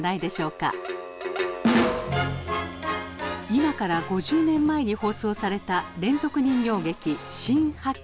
今から５０年前に放送された連続人形劇「新八犬伝」。